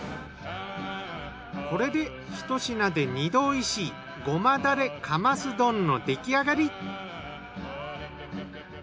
これで一品で二度おいしいごまだれカマス丼の出来上がり！